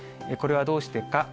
これはどうしてか。